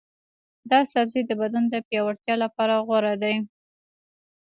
دا سبزی د بدن د پیاوړتیا لپاره غوره دی.